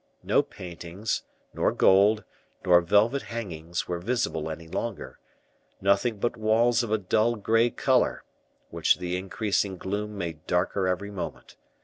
No paintings, nor gold, nor velvet hangings, were visible any longer, nothing but walls of a dull gray color, which the increasing gloom made darker every moment.